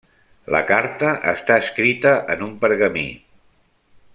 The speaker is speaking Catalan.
La carta està escrita en un pergamí.